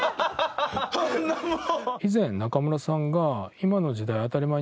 そんなもん。